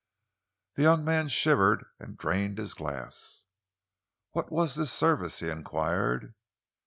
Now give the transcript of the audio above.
The young man shivered and drained his glass. "What was this service?" he enquired.